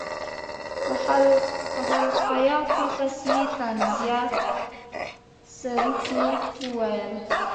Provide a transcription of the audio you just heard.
په خلقیاتو پسې یې طنزیه سروکي وویل.